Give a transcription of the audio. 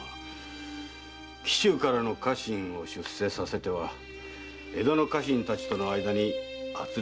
紀州からの家臣を出世させては江戸の家臣たちとの間に軋轢が生じましょう。